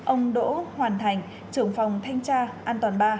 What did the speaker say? bốn ông đỗ hoàn thành trưởng phóng thanh tra an toàn ba